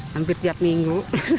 hampir tiap minggu